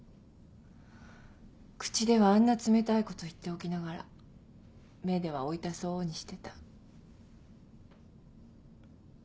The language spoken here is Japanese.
口ではあんな冷たいこと言っておきながら目では追いたそうにしてた。